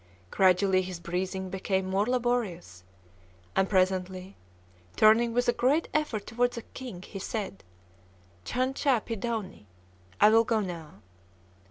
Gradually his breathing became more laborious; and presently, turning with a great effort toward the king, he said, Chan cha pi dauni! "I will go now!"